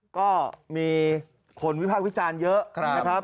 ก็มีคนวิพากษ์วิจารณ์เยอะนะครับ